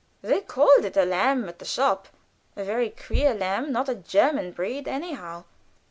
"They called it a lamb at the shop." "A very queer lamb; not a German breed, anyhow."